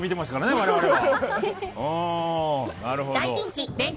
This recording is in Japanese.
我々は。